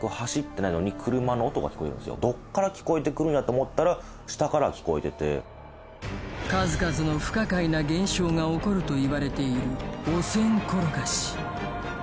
どっから聞こえてくるんやと思ったら数々の不可解な現象が起こるといわれているおせんころがし